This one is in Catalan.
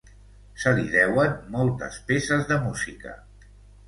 Se li deuen moltes peces de música.